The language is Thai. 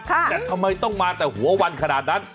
แต่ทำไมต้องมาแต่หัววันขนาดนั้น